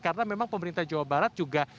karena memang pemerintah jawa barat